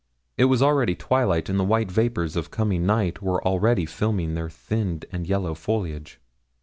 It was already twilight, and the white vapours of coming night were already filming their thinned and yellow foliage.